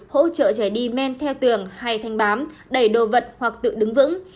hỗ trợ trẻ đi men theo tường hay thanh bám đẩy đồ vật hoặc tự đứng vững